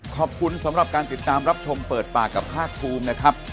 ขอบคุณสำหรับการติดตามรับชมเปิดปากกับภาคภูมินะครับ